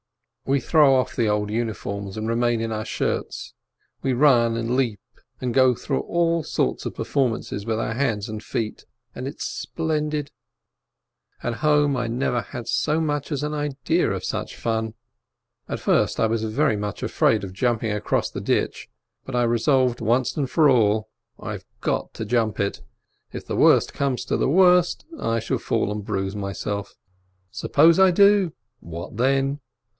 We throw off the old uniforms, and remain in our shirts, we run and leap and go through all sorts of per MILITARY SERVICE 285 formances with our hands and feet, and it's splendid ! At home I never had so much as an idea of such fun. At first I was very much afraid of jumping across the ditch, but I resolved once and for all — I've got to jump it. If the worst comes to the worst, I shall fall and bruise myself. Suppose I do? What then?